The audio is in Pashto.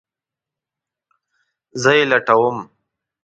زه یی لټوم